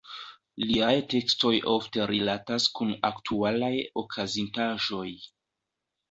Liaj tekstoj ofte rilatas kun aktualaj okazintaĵoj.